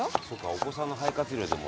お子さんの肺活量でもね